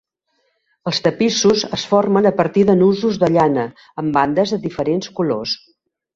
Els tapissos es formen a partir de nusos de llana amb bandes de diferents colors.